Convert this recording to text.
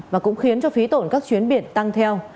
và cũng khiến cho phí tổn các chuyến biển tăng theo